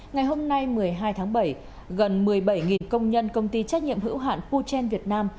ngày hôm nay một mươi hai tháng bảy gần một mươi bảy công nhân công ty trách nhiệm hữu hạn puchen việt nam